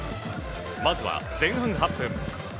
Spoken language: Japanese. まずは前半８分。